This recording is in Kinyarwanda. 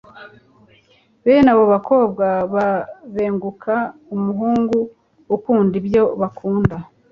Bene abo bakobwa babenguka umuhungu ukunda ibyo bakunda